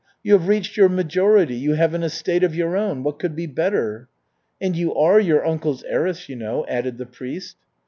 You have reached your majority, you have an estate of your own what could be better?" "And you are your uncle's heiress, you know," added the priest.